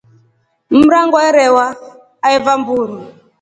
Mrango arewa aeva mburu.